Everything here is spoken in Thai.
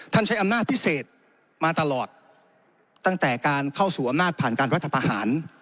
ใช้อำนาจพิเศษมาตลอดตั้งแต่การเข้าสู่อำนาจผ่านการรัฐประหาร